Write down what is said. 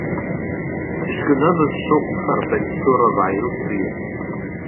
Disgynnodd yn swp ar bentwr o ddail crin.